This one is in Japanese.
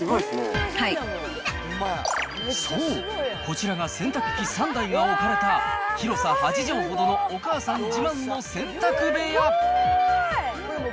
そう、こちらが洗濯機３台が置かれた広さ８畳ほどのお母さん自慢の洗濯部屋。